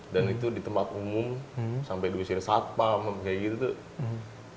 dan itu di tempat umum sampai di usia sapam kayak gitu tuh